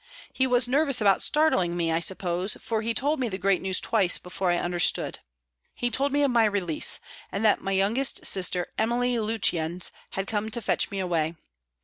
He was nervous about startling me, I suppose, for he told me the great news twice before I understood. He told me of my release and that my youngest sister, Emily Lutyens, had come to fetch me away.